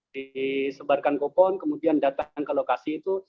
disebarkan kupon kemudian datang ke lokasi itu